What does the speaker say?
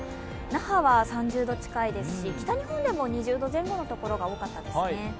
那覇は３０度近いですし北日本でも２０度前後の所が多かったですね。